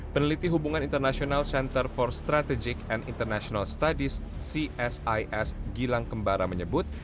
peneliti hubungan internasional center for strategic and international studies csis gilang kembara menyebut